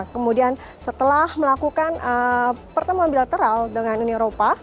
kemudian setelah melakukan pertemuan bilateral dengan uni eropa